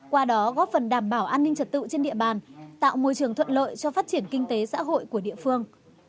qua đó góp phần đảm bảo an ninh trật tự trên địa bàn tạo môi trường thuận lợi cho phát triển kinh tế xã hội của địa phương